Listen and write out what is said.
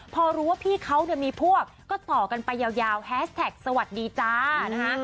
พอรู้ว่าพี่เขาเนี่ยมีพวกก็ต่อกันไปยาวแฮสแท็กสวัสดีจ้านะคะ